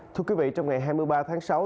thưa quý vị trong ngày hai mươi ba tháng sáu